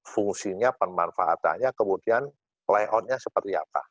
fungsinya pemanfaatannya kemudian layoutnya seperti apa